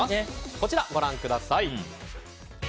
こちら、ご覧ください。